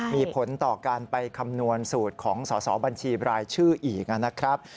มีผลต่อการไปคำนวณสูตรของสอสอบัญชีบรายชื่ออีกนะครับ